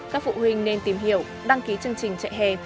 các phụ huynh nên tìm hiểu đăng ký chương trình chạy hè